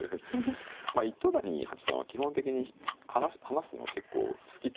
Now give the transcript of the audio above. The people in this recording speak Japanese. まあ糸谷八段は基本的に話すの結構好きというか。